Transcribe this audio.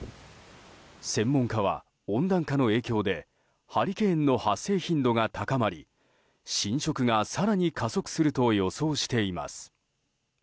専門家は温暖化の影響でハリケーンの発生頻度が高まり浸食が更に加速すると予想しています。